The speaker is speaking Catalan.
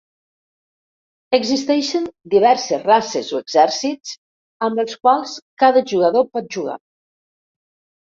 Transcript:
Existeixen diverses races o exèrcits amb els quals cada jugador pot jugar.